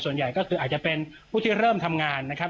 ส่วนใหญ่ก็คืออาจจะเป็นผู้ที่เริ่มทำงานนะครับ